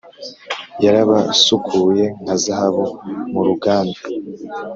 yarabasukuye nka zahabu mu ruganda,